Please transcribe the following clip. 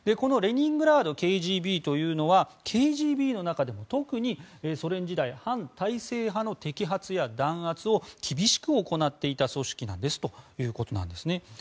レニングラードＫＧＢというのはＫＧＢの中でも特にソ連時代反体制派の摘発や弾圧を厳しく行っていた組織なんですということなんです。